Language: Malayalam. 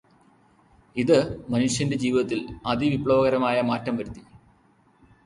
ഇതു് മനുഷ്യന്റെ ജീവിതത്തിൽ അതിവിപ്ലവകരമായ മാറ്റംവരുത്തി.